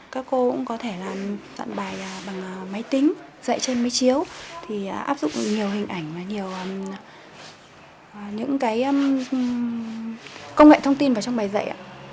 các cô cũng có thể soạn bài bằng máy tính dạy trên máy chiếu áp dụng nhiều hình ảnh và nhiều công nghệ thông tin vào trong bài dạy